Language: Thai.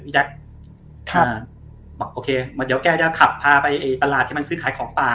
บอกว่าโอเคเดี๋ยวแกจะขับพาไปตลาดที่ซื้อขายของป่า